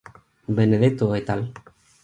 Benedetto et al.